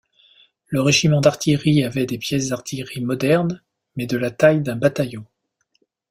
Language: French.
Le régiment d'artillerie avait des pièces d'artillerie moderne, mais de la taille d'un bataillon.